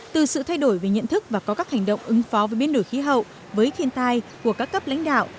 từ sự thay đổi về nhận thức và có các hành động ứng phó với biến đổi khí hậu với thiên tai của các cấp lãnh đạo